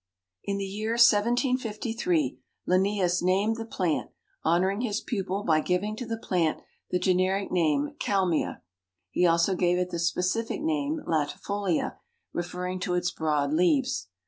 In the year 1753 Linnaeus named the plant, honoring his pupil by giving to the plant the generic name Kalmia. He also gave it the specific name latifolia, referring to its broad leaves.